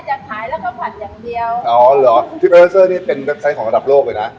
แม่จะขายแล้วก็ผัดอย่างเดียวอ๋อหรือเป็นเว็บไซต์ของอันดับโลกเลยนะ